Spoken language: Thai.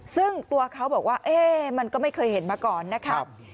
ซึ่งตัวเขาบอกว่ามันก็ไม่เคยเห็นมาก่อนนะครับ